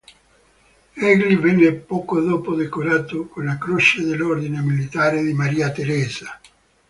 Egli venne poco dopo decorato con la Croce dell'Ordine Militare di Maria Teresa.